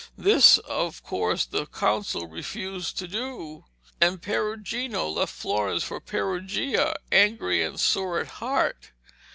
This of course the Council refused to do, and Perugino left Florence for Perugia, angry and sore at heart.